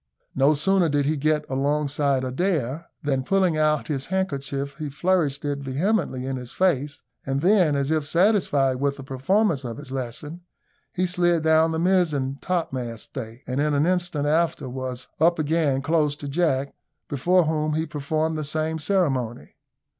No sooner did he get alongside Adair, than, pulling out his handkerchief, he flourished it vehemently in his face; and then, as if satisfied with the performance of his lesson, he slid down the mizen topmast stay, and in an instant after was up again close to Jack, before whom he performed the same ceremony.